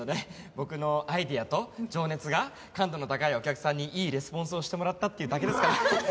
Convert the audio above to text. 僕のアイデアと情熱が感度の高いお客さんにいいレスポンスをしてもらったっていうだけですから。